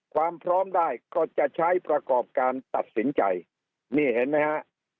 ความพร้อมได้ก็จะใช้ประกอบการตัดสินใจนี่เห็นไหมฮะ